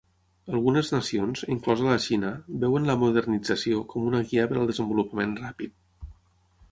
Algunes nacions, inclosa la Xina, veuen la modernització com una guia per al desenvolupament ràpid.